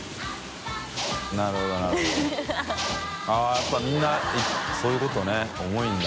△やっぱみんなそういうことね重いんだ